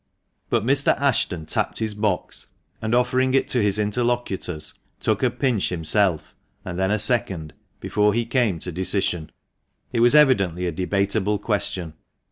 But Mr. Ashton tapped his box, and, offering it to his interlocutors, took a pinch himself, and then a second, before he came to a decision. It was evidently a debatable question.